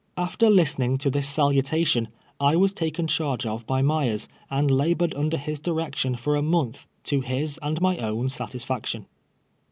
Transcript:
After listening to this salutation, I was taken charge of by Myers, and labored under his direction for a month, to his and my own satisfaction.